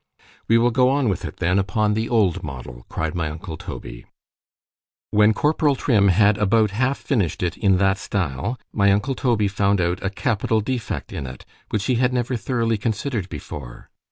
—We will go on with it then upon the old model, cried my uncle Toby. When corporal Trim had about half finished it in that style——my uncle Toby found out a capital defect in it, which he had never thoroughly considered before.